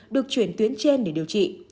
được chuyển tuyến trên để điều trị